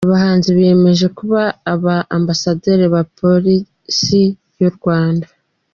Abahanzi biyemeje kuba aba Ambasaderi ba Polisi y'u Rwanda.